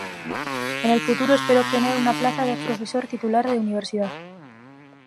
En el futuro espero obtener una plaza de profesor titular de universidad.